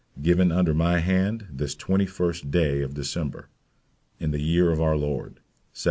Given under my hand this 21st day of December, in the year of our Lord, 1791.